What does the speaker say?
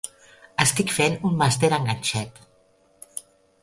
Estic fent un màster en ganxet.